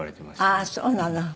あっそうなの。